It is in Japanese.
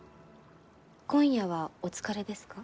今夜はお疲れですか？